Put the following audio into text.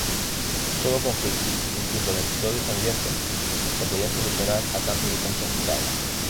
Todo conflicto, incluso los episodios sangrientos, se podían solucionar a cambio de conchas dentadas.